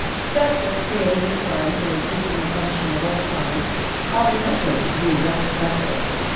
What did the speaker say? Statutes creating new crimes or increasing the punishment of old crimes ought in no case to be retrospective.